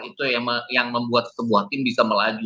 itu yang membuat sebuah tim bisa melaju